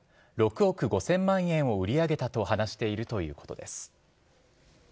６億５０００万円を売り上げたと話しているということです。